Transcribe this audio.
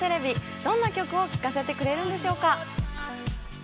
どんな曲を聴かせてくれるんでしょうか。